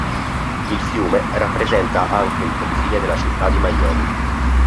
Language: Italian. Il fiume rappresenta anche il confine della città di Miami.